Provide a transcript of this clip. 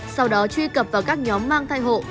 sau đó truy cập vào các nhóm mang thai hộ